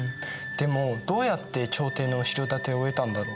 でもどうやって朝廷の後ろ盾を得たんだろう？